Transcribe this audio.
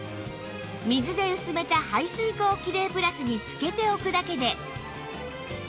水で薄めた排水口キレイプラスにつけておくだけで